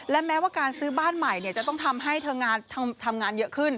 และแม้ว่าการซื้อบ้านใหม่จะต้องทำให้เธอทำงานเยอะขึ้น